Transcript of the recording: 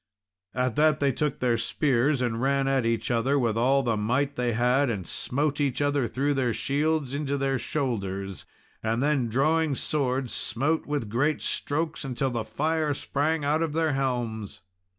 At that they took their spears and ran at each other with all the might they had, and smote each other through their shields into their shoulders; and then drawing swords smote with great strokes, till the fire sprang out of their helms.